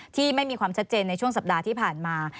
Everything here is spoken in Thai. ที่ไม่มีความชัดเจนในช่วงสัปดาห์ที่ผ่านมา